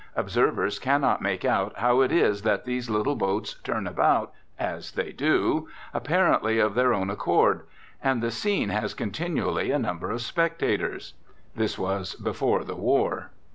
Observers cannot make out how it is that these little boats turn about as they do, apparently of their own accord. And the scene has continually a number of spectators. (This was before the war.)